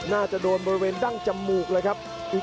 น่าจะโดนบริเวณดั้งจมูกเลยครับ